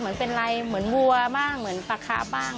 เหมือนเป็นอะไรเหมือนวัวบ้างเหมือนปลาคาบ้าง